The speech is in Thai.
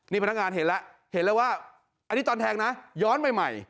นี่พนักงานเห็นแล้วเห็นแล้วว่าอันนี้ตอนแทงนะย้อนใหม่